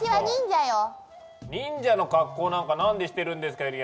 忍者の格好なんか何でしてるんですか